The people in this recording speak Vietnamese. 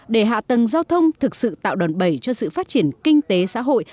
để hạ tầng giao thông thực sự tạo đòn bẩy cho sự phát triển kinh tế xã hội